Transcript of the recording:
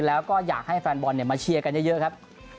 แล้วก็อยากให้แฟนบอลมาเชียร์กันเยอะครับ